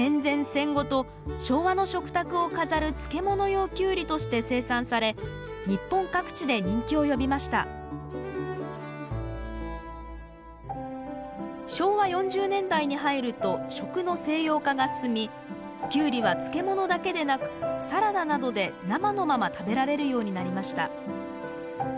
戦後と昭和の食卓を飾る漬物用キュウリとして生産され日本各地で人気を呼びました昭和４０年代に入ると食の西洋化が進みキュウリは漬物だけでなくサラダなどで生のまま食べられるようになりました